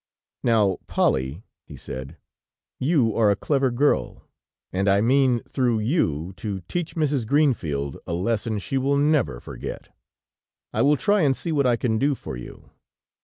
"Now, Polly," he said, "you are a clever girl, and I mean, through you, to teach Mrs. Greenfield a lesson she will never forget. I will try and see what I can do for you."